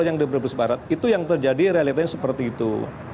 dari berbes barat itu yang terjadi realitanya seperti itu